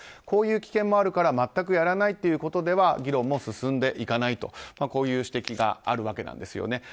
こういう危険もあるから全くやらないということでは議論も進んでいかないとこういう指摘があるわけなんです。